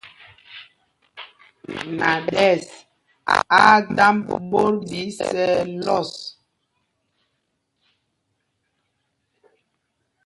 Naɗɛs á á dámb ɓot ɓɛ isɛɛ lɔs.